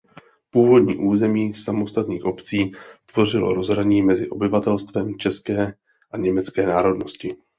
Původní území samostatných obcí tvořilo rozhraní mezi obyvatelstvem české a německé národnosti.